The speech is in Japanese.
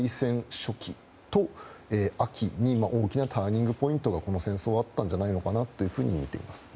初期と秋に大きなターニングポイントはこの戦争はあったんじゃないのかなとみています。